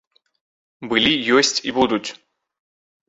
Былі, ёсць і будуць.